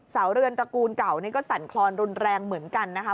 เรือนตระกูลเก่านี่ก็สั่นคลอนรุนแรงเหมือนกันนะคะ